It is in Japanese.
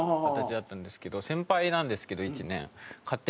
先輩なんですけど１年。